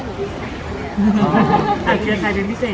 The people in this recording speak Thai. ฮิวดี้เค้าก็ขอผละค่ะ